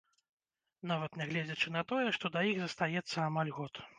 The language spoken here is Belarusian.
Нават нягледзячы на тое, што да іх застаецца амаль год.